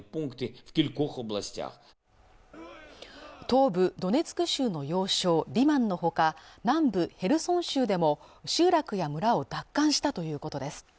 東部ドネツク州の要衝リマンのほか南部ヘルソン州でも集落や村を奪還したということです